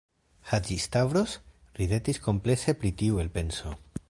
Haĝi-Stavros ridetis kompleze pri tiu elpenso.